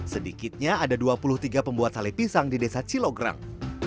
sedikitnya ada dua puluh tiga pembuat sale pisang di desa cilograng